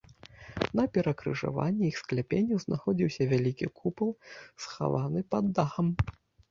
На перакрыжаванні іх скляпенняў знаходзіўся вялікі купал, схаваны пад дахам.